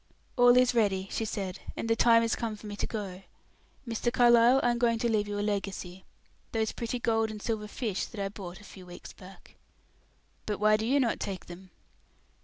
"All is ready," she said, "and the time is come for me to go. Mr. Carlyle I am going to leave you a legacy those pretty gold and silver fish that I bought a few weeks back." "But why do you not take them?"